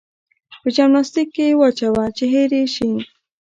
په جمناستيک کې يې واچوه چې هېر يې شي.